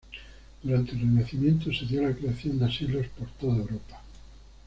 Durante el Renacimiento se dio la creación de asilos por toda Europa.